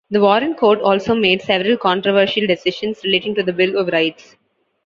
The Warren Court also made several controversial decisions relating to the Bill of Rights.